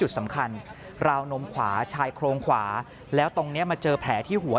สำคัญราวนมขวาชายโครงขวาแล้วตรงนี้มาเจอแผลที่หัว